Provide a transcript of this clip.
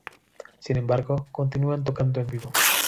Sin embargo, continúan tocando en vivo.